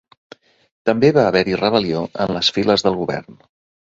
També va haver-hi rebel·lió en les files del govern.